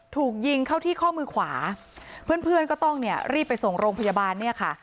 ถูกยิงเข้าที่ข้อมือขวาเพื่อนเพื่อนก็ต้องเนี่ยรีบไปส่งโรงพยาบาลเนี่ยค่ะ